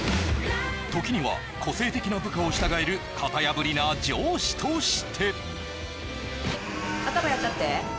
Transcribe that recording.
時には個性的な部下を従える型破りな上司として頭やったって？